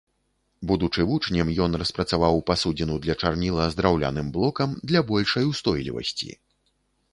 Будучы вучнем ён распрацаваў пасудзіну для чарніла з драўляным блокам для большай устойлівасці.